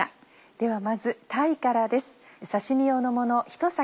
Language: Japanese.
ではまず鯛からです。